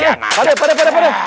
eh eh eh padek padek padek